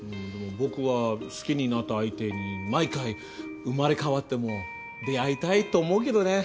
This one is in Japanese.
僕は好きになった相手に毎回生まれ変わっても出会いたいって思うけどね。